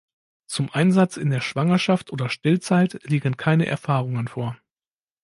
Zum Einsatz in der Schwangerschaft oder Stillzeit liegen keine Erfahrungen vor.